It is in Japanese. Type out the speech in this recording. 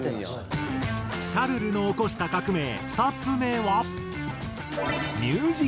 『シャルル』の起こした革命２つ目は。